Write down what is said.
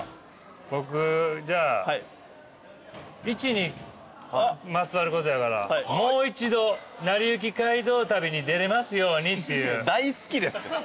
僕じゃあ「１」にまつわることやから「もう一度『なりゆき街道旅』に出れますように」っていう。